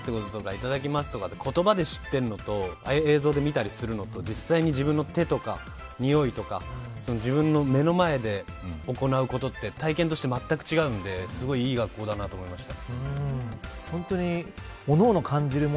命が大切だということとかいただきますと言葉でしてるのとああいう映像で見たりするのと実際に自分の手とか臭いとか自分の目の前で行うことって体験として、まったく違うのですごいいい学校だなと思いました。